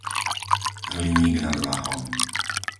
Hliník nad Váhom